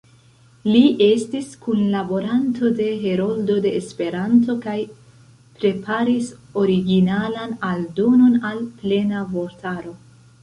Li estis kunlaboranto de "Heroldo de Esperanto" kaj preparis originalan aldonon al „Plena Vortaro“.